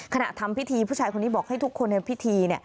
ทำพิธีผู้ชายคนนี้บอกให้ทุกคนในพิธี